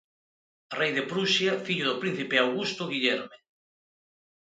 Rei de Prusia, fillo do príncipe Augusto Guillerme.